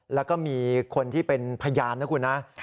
แล้วก็มีคนที่เป็นพยานนะคุณนะ